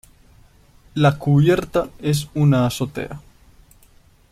La cubierta es una azotea.